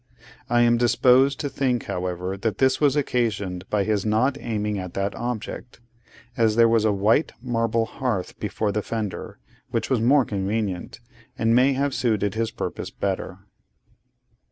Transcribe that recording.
I am disposed to think, however, that this was occasioned by his not aiming at that object; as there was a white marble hearth before the fender, which was more convenient, and may have suited his purpose better.